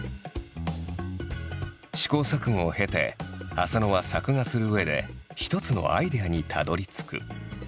試行錯誤を経て浅野は作画するうえで一つのアイデアにたどりつく。